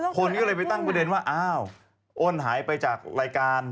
คนก็เลยไปตั้งประเด็นว่าอ้าวอ้นหายไปจากรายการ